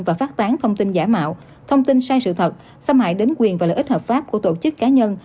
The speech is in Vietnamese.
và phát tán thông tin giả mạo thông tin sai sự thật xâm hại đến quyền và lợi ích hợp pháp của tổ chức cá nhân